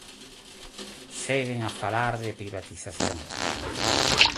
Seguen a falar de privatización.